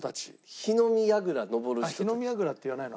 火の見やぐらって言わないの？